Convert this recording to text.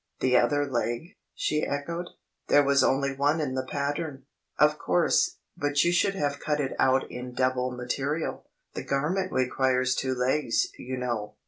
"The other leg?" she echoed, "there was only one in the pattern." "Of course; but you should have cut it out in double material; the garment requires two legs, you know."